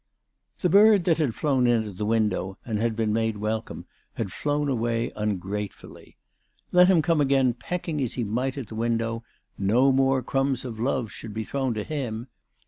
THE bird that had flown in at the window and had been made welcome, had flown away ungratefully. Let him come again pecking as hfe might at the window, no more crumbs of love should be thrown to him.